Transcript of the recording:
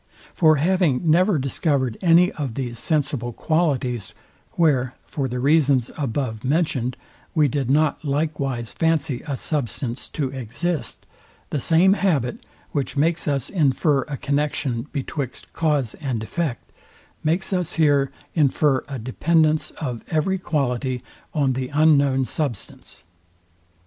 For having never discovered any of these sensible qualities, where, for the reasons above mentioned, we did not likewise fancy a substance to exist; the same habit, which makes us infer a connexion betwixt cause and effect, makes us here infer a dependence of every quality on the unknown substance.